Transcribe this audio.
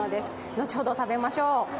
後ほど食べましょう。